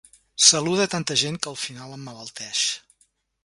Saluda tanta gent que al final emmalalteix.